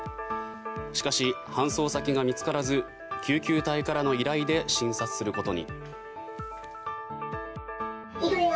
しかし、搬送先が見つからず救急隊からの依頼で診察することに。